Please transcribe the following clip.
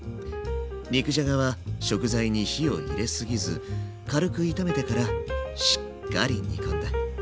肉じゃがは食材に火を入れすぎず軽く炒めてからしっかり煮込んで。